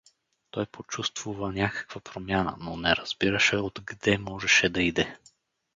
Той почувствува някаква промяна, но не разбираше отгде можеше да иде.